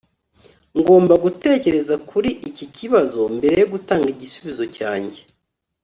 ngomba gutekereza kuri iki kibazo mbere yo gutanga igisubizo cyanjye